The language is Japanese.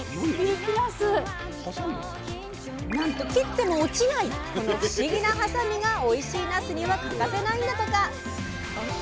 なんと切っても落ちないこの不思議なはさみがおいしいなすには欠かせないんだとか。